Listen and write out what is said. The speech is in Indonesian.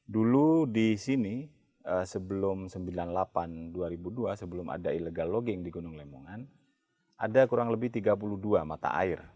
dulu di sini sebelum sembilan puluh delapan dua ribu dua sebelum ada illegal logging di gunung lemongan ada kurang lebih tiga puluh dua mata air